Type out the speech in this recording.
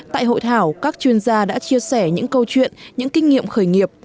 tại hội thảo các chuyên gia đã chia sẻ những câu chuyện những kinh nghiệm khởi nghiệp